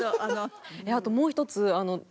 あともう一つ。